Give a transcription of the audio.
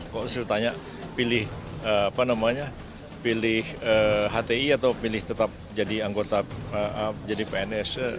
kok selalu tanya pilih hti atau pilih tetap jadi anggota jadi pns